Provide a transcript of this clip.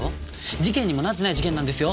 事件にもなってない事件なんですよ。